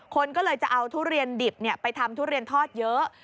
คนก็เลยจะเอาทุเรียนดิบไปทำทุเรียนทอดเยอะ